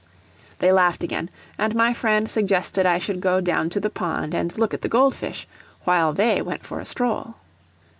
They laughed again, and my friend suggested I should go down to the pond and look at the gold fish, while they went for a stroll.